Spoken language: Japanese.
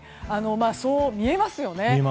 そう見えますよね。